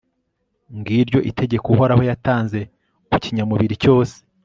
ngiryo itegeko uhoraho yatanze ku kinyamubiri cyose